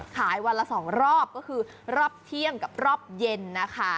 ขายวันละ๒รอบก็คือรอบเที่ยงกับรอบเย็นนะคะ